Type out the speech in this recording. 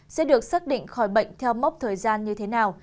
sẽ được xác định khỏi bệnh theo mốc thời gian như thế nào